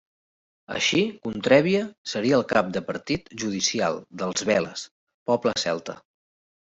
Així, Contrebia seria el cap de partit judicial dels bel·les, poble celta.